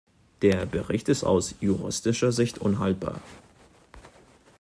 Der Bericht ist aus juristischer Sicht unhaltbar.